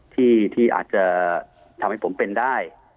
ที่อาจจะทำให้ผมเป็นได้